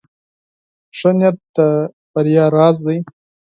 ښه نیت د کامیابۍ راز دی.